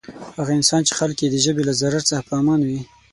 هغه انسان چی خلک یی د ژبی له ضرر څخه په امان وی.